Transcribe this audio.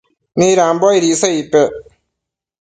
midambo aid icsa icpec ?